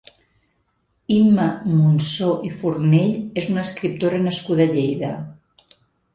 Imma Monsó i Fornell és una escriptora nascuda a Lleida.